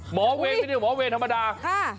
หมอเวงคือนี่หรือหมอเวงธรรมดาค่ะ